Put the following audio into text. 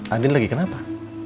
andin lagi kenapa